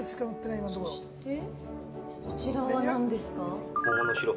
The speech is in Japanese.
そして、こちらは何ですか？